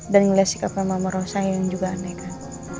dan ngeliat sikapnya mama rosa yang juga aneh kan